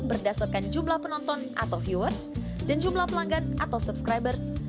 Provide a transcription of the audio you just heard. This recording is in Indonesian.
berdasarkan jumlah penonton atau viewers dan jumlah pelanggan atau subscribers